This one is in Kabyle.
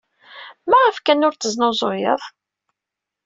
Maɣef kan ur t-tesnuzuyeḍ?